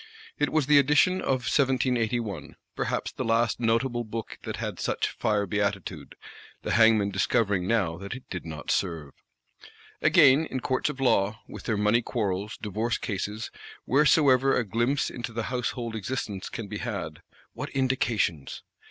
It was the edition of 1781; perhaps the last notable book that had such fire beatitude,—the hangman discovering now that it did not serve. Again, in Courts of Law, with their money quarrels, divorce cases, wheresoever a glimpse into the household existence can be had, what indications!